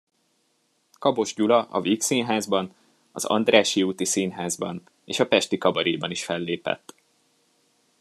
Kabos Gyula a Vígszínházban, az Andrássy úti Színházban, és a Pesti Kabaréban is fellépett.